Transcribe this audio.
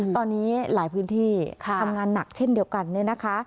ตอนนี้หลายพื้นที่ทำงานหนักเช่นเดียวกัน